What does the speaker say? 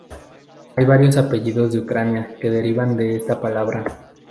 Hay varios apellidos de Ucrania que derivan de esta palabra.